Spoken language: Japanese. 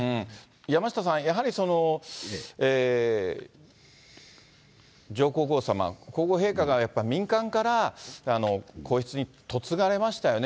山下さん、やはり上皇后さま、皇后陛下がやっぱり民間から皇室に嫁がれましたよね。